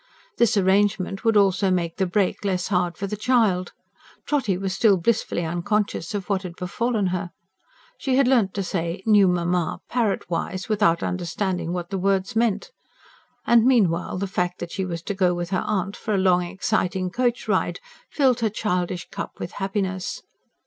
This arrangement would also make the break less hard for the child. Trotty was still blissfully unconscious of what had befallen her. She had learnt to say "new mamma" parrot wise, without understanding what the words meant. And meanwhile, the fact that she was to go with her aunt for a long, exciting coach ride filled her childish cup with happiness.